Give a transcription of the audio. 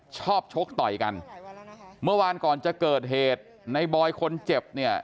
ชกต่อยกันเมื่อวานก่อนจะเกิดเหตุในบอยคนเจ็บเนี่ย